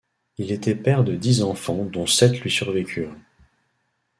Il était père de dix enfants dont sept lui survécurent.